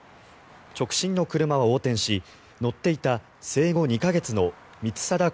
直進の車は横転し乗っていた生後２か月の光定